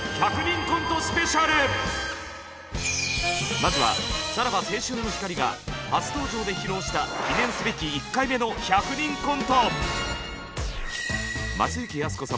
まずはさらば青春の光が初登場で披露した記念すべき１回目の１００人コント！